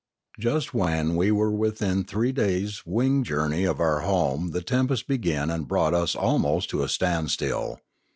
Just when we were within three days* wing journey of our home the tempest began and brought us almost to a standstill.